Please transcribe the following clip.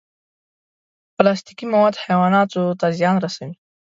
پلاستيکي مواد حیواناتو ته زیان رسوي.